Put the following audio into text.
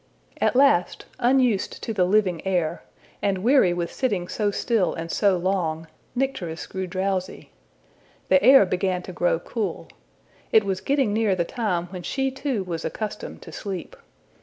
At last, unused to the living air, and weary with sitting so still and so long, Nycteris grew drowsy. The air began to grow cool. It was getting near the time when she too was accustomed to sleep.